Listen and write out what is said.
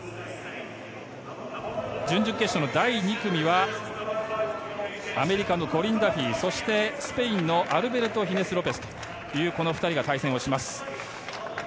準々決勝の第２組はアメリカのコリン・ダフィーそして、スペインのアルベルト・ヒネス・ロペスのこの２人が対戦します。